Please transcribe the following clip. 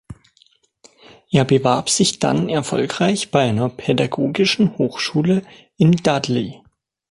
Er bewarb sich dann erfolgreich bei einer pädagogischen Hochschule in Dudley.